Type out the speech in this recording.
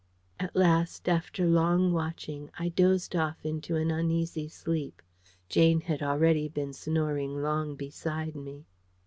At last, after long watching, I dozed off into an uneasy sleep. Jane had already been snoring long beside me.